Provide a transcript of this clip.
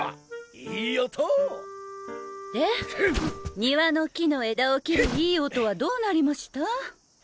いい音！で庭の木の枝を切るいい音はどうなりました？